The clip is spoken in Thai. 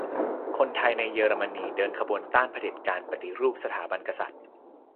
คนไทยในเยอรมนี เดินขบวนต้านเผด็จการ ปฏิรูปสถาบันกษัตริย์